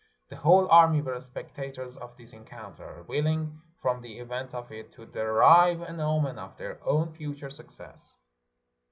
The whole army were spectators of this encoim ter, willing from the event of it to derive an omen of their own future success.